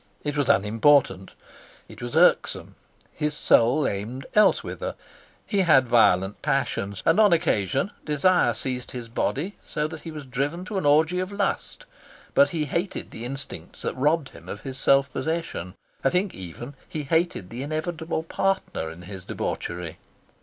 It was unimportant. It was irksome. His soul aimed elsewhither. He had violent passions, and on occasion desire seized his body so that he was driven to an orgy of lust, but he hated the instincts that robbed him of his self possession. I think, even, he hated the inevitable partner in his debauchery.